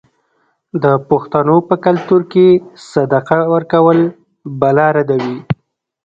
د پښتنو په کلتور کې صدقه ورکول بلا ردوي.